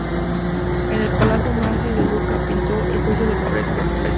En el Palazzo Mansi de Lucca pintó un "Juicio de Paris" al fresco.